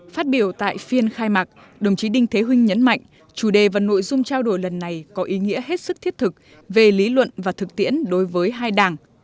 phát biểu tại phiên khai mạc đồng chí đinh thế huynh nhấn mạnh chủ đề và nội dung trao đổi lần này có ý nghĩa hết sức thiết thực về lý luận và thực tiễn đối với hai đảng